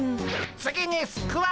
次にスクワット！